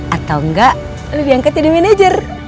atau enggak lebih diangkat jadi manajer